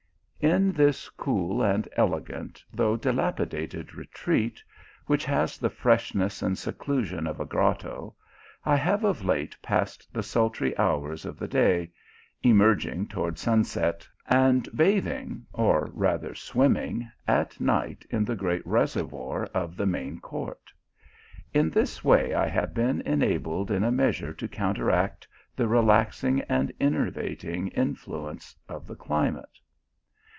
In this cool and elegant though dilapidated re treat, which has the freshness and seclusion of a grotto, I have of late passed the sultry hours of the day; emerging toward sunset, and bathing, or rather swimming, at night in the great reservoir of the main court. In this way I have been enabled in a measure to counteract the relaxing and enervating in . .uence of the climate.